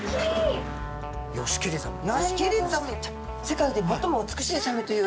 世界で最も美しいサメという。